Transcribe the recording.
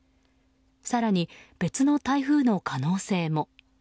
更に、別の台風の可能性も。